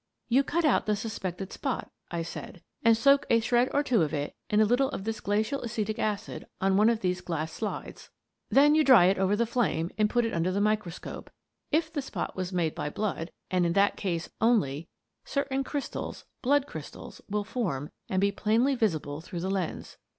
" You cut out the suspected spot," I said, " and soak a shred or two of it in a little of this glacial acetic acid on one of these glass slides. Then you 120 Miss Frances Baird, Detective ——————— dry it over the flame and put it under the micro scope. If the spot was made by blood — and in that case only — certain crystals, blood crystals, will form and be plainly visible through the lens."